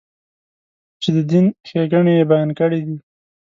چې د دین ښېګڼې یې بیان کړې دي.